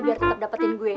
biar tetep dapetin gue